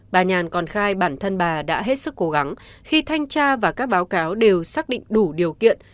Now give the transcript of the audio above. bà nhàn còn khai bản thân bà đã hết sức cố gắng khi thanh tra và các báo cáo đều xác định đủ điều kiện